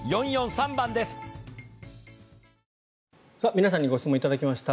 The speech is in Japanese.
皆さんにご質問頂きました。